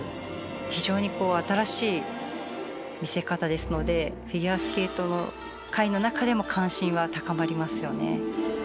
非常に新しい見せ方ですのでフィギュアスケート界の中でも関心は高まりますよね。